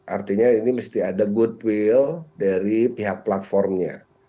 artinya ini mesti ada goodwill dari pihak platformnya